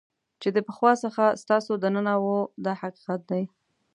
چې د پخوا څخه ستاسو دننه وو دا حقیقت دی.